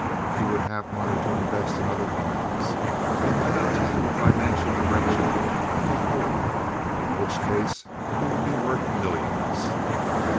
He would have money to invest in other lines. He might obtain the financial direction of the whole, in which case he would be worth millions.